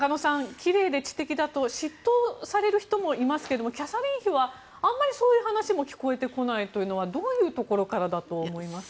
きれいで知的だと嫉妬される人もいますけれどもキャサリン妃はあんまり、そういう話も聞こえてこないというのはどういうところからだと思いますか？